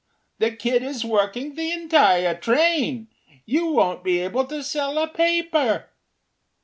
The kid is working the entire train. You won’t be able to sell a paper.